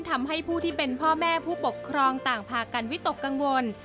ทำให้ผู้ที่เป็นพ่อแม่ผู้ปกครองต่างพากันวิตกกังวล